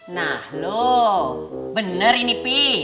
nah loh benar ini pi